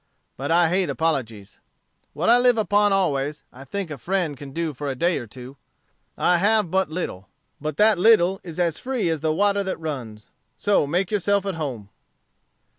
But I hate apologies. What I live upon always, I think a friend can for a day or two. I have but little, but that little is as free as the water that runs. So make yourself at home."